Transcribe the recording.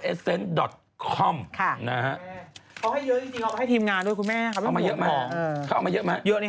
เขาให้เยอะจริงเขาให้ทีมงานด้วยคุณแม่เขาให้เยอะมากค่ะเขาเอามาเยอะมาก